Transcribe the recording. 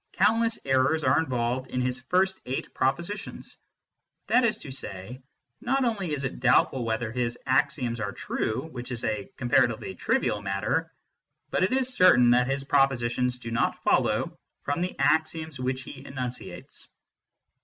Countless errors are involved in his first eight propositions. That is to say, not only is it doubtful whether his axioms are true, which is a comparatively trivial matter, but it is certain that his propositions do not follow from the axioms which he enunciates.